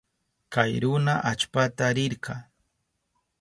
Kay runa allpata rirka.